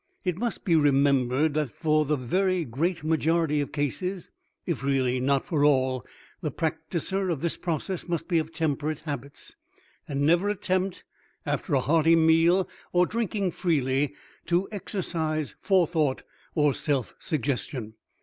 It must be remembered that for the very great majority of cases, if really not for all, the practicer of this process must be of temperate habits, and never attempt after a hearty meal, or drinking freely, to exercise Forethought or Self Suggestion.